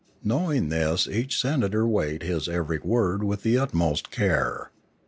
Knowing this each senator weighed his every word with the utmost care.